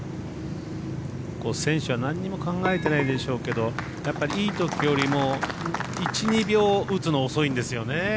選手は何にも考えてないでしょうけどやっぱりいい時よりも１２秒打つの遅いんですよね。